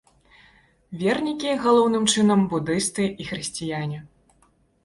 Вернікі галоўным чынам будысты і хрысціяне.